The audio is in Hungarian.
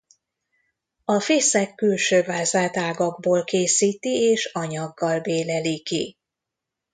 A fészek külső vázát ágakból készíti és anyaggal béleli ki.